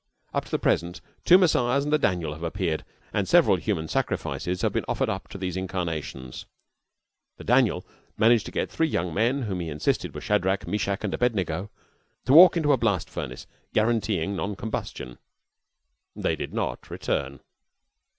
Up to the present two Messiahs and a Daniel have appeared, and several human sacrifices have been offered up to these incarnations. The Daniel managed to get three young men, who he insisted were Shadrach, Meshach, and Abednego, to walk into a blast furnace, guaranteeing non combustion. They did not return.